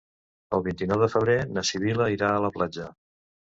El vint-i-nou de febrer na Sibil·la irà a la platja.